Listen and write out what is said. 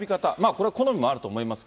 これは好みもあると思います